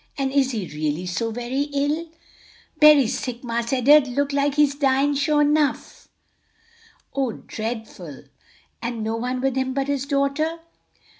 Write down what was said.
"And is he really so very ill?" "Berry sick, Marse Ed'ard, looks like he's dyin' sho nuff." "Oh, dreadful! And no one with him but his daughter?"